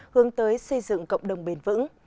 hướng tới xây dựng cộng đồng bền vững